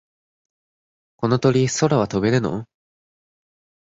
この鳥、空は飛べるの？